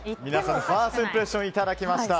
ファーストインプレッションいただきました。